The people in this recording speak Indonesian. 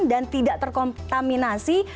dan tidak terkontaminasi